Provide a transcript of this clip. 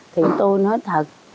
thì tôi nói thật